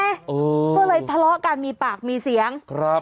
ก็เลยทะเลาะกันมีปากมีเสียงครับ